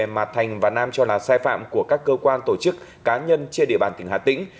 mà thành và nam cho là sai phạm của các cơ quan tổ chức cá nhân trên địa bàn tỉnh hà tĩnh